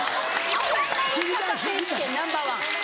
謝り方選手権ナンバーワン。